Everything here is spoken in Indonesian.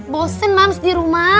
bosen mams di rumah